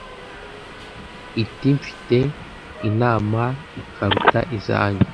iti : mfite inama ikaruta izanyu.